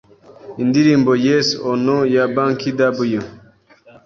Indirimbo Yes Or No ya Banky W